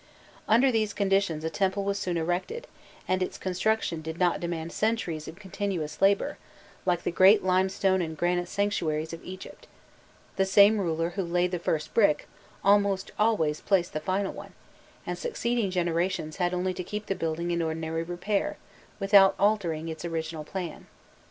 Under these conditions a temple was soon erected, and its construction did not demand centuries of continuous labour, like the great limestone and granite sanctuaries of Egypt: the same ruler who laid the first brick, almost always placed the final one, and succeeding generations had only to keep the building in ordinary repair, without altering its original plan.